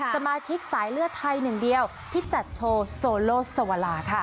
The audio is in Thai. สมาชิกสายเลือดไทยหนึ่งเดียวที่จัดโชว์โซโลสวลาค่ะ